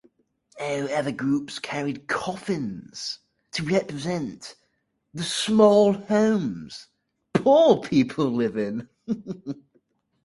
Other groups carried coffins to represent the small homes poor people live in.